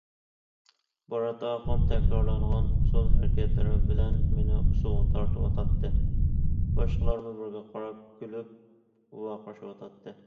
بارات ئاخۇن تەكرارلانغان ئۇسسۇل ھەرىكەتلىرى بىلەن مېنى ئۇسسۇلغا تارتىۋاتاتتى، باشقىلارمۇ بىزگە قاراپ كۈلۈپ، ۋارقىرىشىۋاتاتتى.